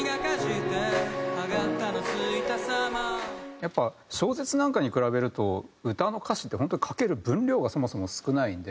やっぱ小説なんかに比べると歌の歌詞って本当に書ける分量がそもそも少ないんで。